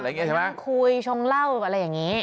ใช่ไหมชงคุยชงเล่าอะไรอย่างนี้